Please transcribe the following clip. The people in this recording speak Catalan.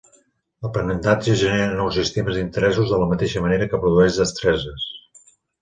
L'aprenentatge genera nous sistemes d'interessos de la mateixa manera que produeix destreses.